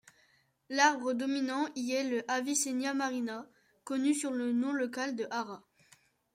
L'arbre dominant y est le Avicennia marina, connu sous le nom local de Hara.